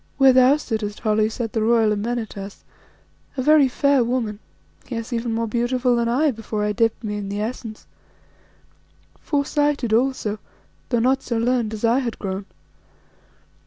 Where thou sittest, Holly, sat the royal Amenartas, a very fair woman; yes, even more beautiful than I before I dipped me in the Essence, fore sighted also, though not so learned as I had grown.